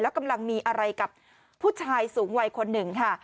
กำลังมีอะไรกับผู้ชายสูงวัยคนหนึ่งค่ะ